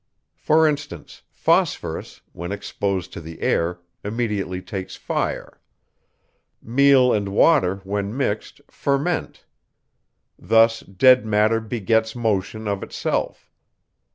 For instance; phosphorus, when exposed to the air, immediately takes fire. Meal and water, when mixed, ferment. Thus dead matter begets motion of itself.